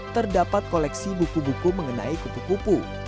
terdapat koleksi buku buku mengenai kupu kupu